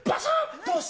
どうして？